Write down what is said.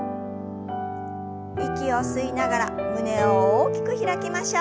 息を吸いながら胸を大きく開きましょう。